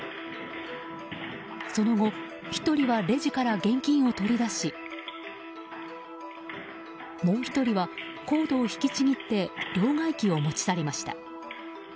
その後、１人はレジから現金を取り出しもう１人はコードを引きちぎって両替機を持ち去りました。